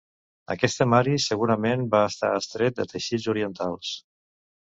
Aquest temari segurament va estar extret de teixits orientals.